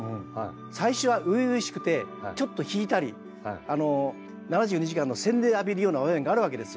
最初は初々しくてちょっと引いたり「７２時間」の洗礼浴びるような場面があるわけですよ。